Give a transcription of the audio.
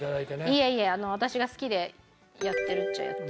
いえいえ私が好きでやってるっちゃやってる。